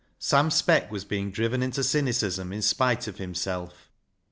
Sam Speck was being driven into cynicism in spite of himself.